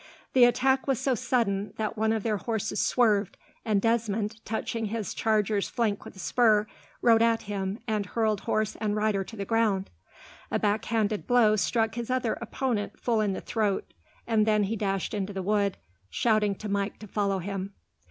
The attack was so sudden that one of their horses swerved, and Desmond, touching his charger's flank with a spur, rode at him and hurled horse and rider to the ground. A backhanded blow struck his other opponent full in the throat, and then he dashed into the wood, shouting to Mike to follow him.